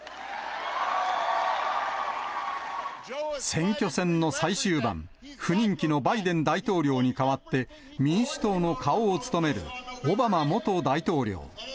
選挙戦の最終盤、不人気のバイデン大統領に代わって、民主党の顔を務めるオバマ元大統領。